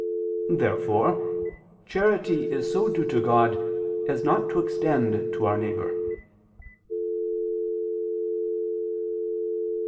Therefore charity is so due to God, as not to extend to our neighbor.